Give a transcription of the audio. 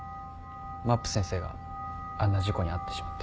まっぷ先生があんな事故に遭ってしまって。